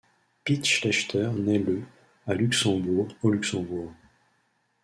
Pit Schlechter naît le à Luxembourg au Luxembourg.